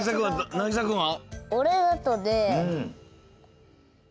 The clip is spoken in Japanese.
なぎさくんは？